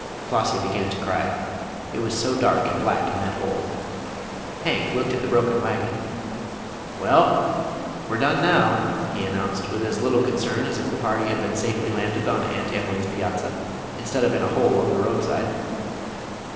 Flossie began to cry. It was so dark and black in that hole. Hank looked at the broken wagon. "Well, we're done now," he announced, with as little concern as if the party had been safely landed on Aunt Emily's piazza, instead of in a hole on the roadside.